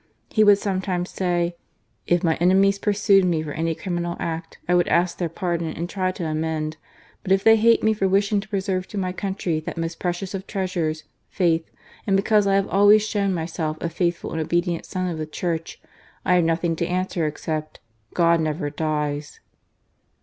He would netimes say ■." If my enemies pursued me for any tninal act, I would ask their pardon and try I i amend ; but if they hate me for wishing to ierve to my country that most precious of iicasures, faith, and because I have always shown myself a faithful and obedient son of the Church, I have nothing to answer except :' God never ■ dies.'